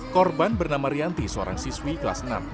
korban bernama rianti seorang siswi kelas enam